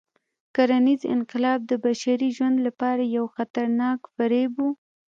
کرنيز انقلاب د بشري ژوند لپاره یو خطرناک فریب و.